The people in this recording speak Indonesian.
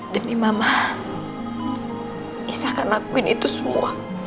demi mama isah akan lakuin itu semua